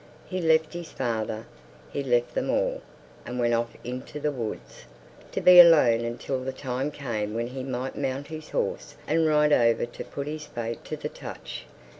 He left his father he left them all and went off into the woods, to be alone until the time came when he might mount his horse and ride over to put his fate to the touch.